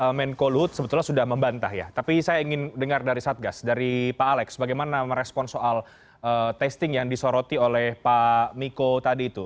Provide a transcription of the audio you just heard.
pak menko luhut sebetulnya sudah membantah ya tapi saya ingin dengar dari satgas dari pak alex bagaimana merespon soal testing yang disoroti oleh pak miko tadi itu